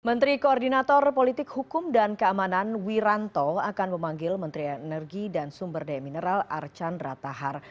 menteri koordinator politik hukum dan keamanan wiranto akan memanggil menteri energi dan sumber daya mineral archandra tahar